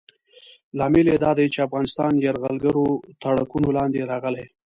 لامل یې دا دی چې افغانستان یرغلګرو تاړاکونو لاندې راغلی.